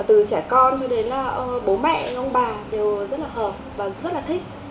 từ trẻ con cho đến bố mẹ ông bà đều rất là hợp và rất là thích